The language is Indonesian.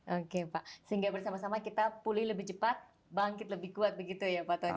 oke pak sehingga bersama sama kita pulih lebih cepat bangkit lebih kuat begitu ya pak tony